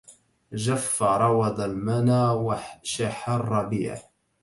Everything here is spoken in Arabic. جف روض المنى وشح الربيع